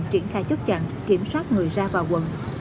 triển khai chốt chặn kiểm soát người ra vào quận